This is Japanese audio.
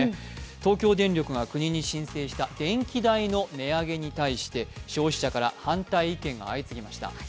東京電力が国に申請した電気代の値上げに対して消費者から反対意見が相次ぎました。